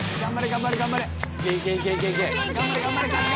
頑張れ頑張れ春日。